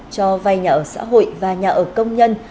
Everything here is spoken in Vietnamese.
cho vay nhà ở xã hội và nhà ở công nhân